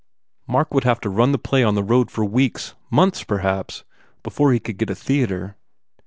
Mark would have to run the play on the road for weeks months, perhaps, before he could get a theatre."